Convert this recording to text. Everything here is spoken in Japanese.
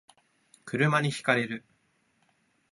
車に轢かれる